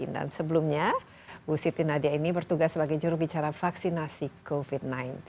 sebelumnya bu siti nadia ini bertugas sebagai jurubicara vaksinasi covid sembilan belas